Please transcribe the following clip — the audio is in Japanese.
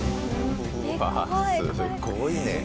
うわあすごいね。